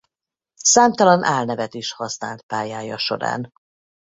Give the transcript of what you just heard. Számtalan álnevet is használt pályája során.